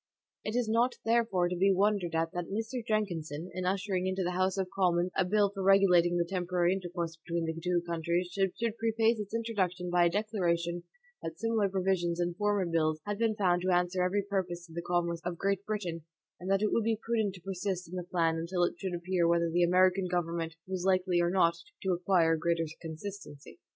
It is not, therefore, to be wondered at that Mr. Jenkinson, in ushering into the House of Commons a bill for regulating the temporary intercourse between the two countries, should preface its introduction by a declaration that similar provisions in former bills had been found to answer every purpose to the commerce of Great Britain, and that it would be prudent to persist in the plan until it should appear whether the American government was likely or not to acquire greater consistency.